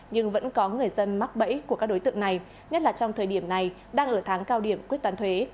nhưng vẫn có người dân mắc bẫy của các đối tượng này nhất là trong thời điểm này đang ở tháng cao điểm quyết toán thuế